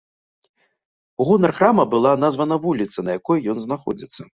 У гонар храма бала названа вуліца, на якой ён знаходзіцца.